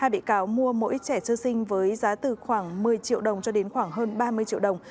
hai bị cáo mua mỗi trẻ sơ sinh với giá từ khoảng một mươi triệu đồng cho đến khoảng hơn ba mươi triệu đồng